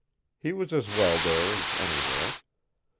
He was as well there as anywhere.